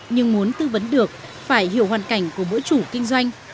nhưng muốn tư vấn được phải hiểu hoàn cảnh của mỗi chủ kinh doanh